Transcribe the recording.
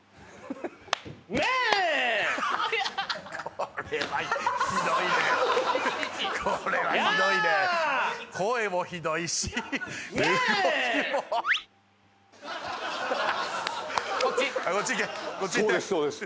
これはひどいねこれはひどいね声もひどいし動きもこっちこっち行けこっち行ってそうです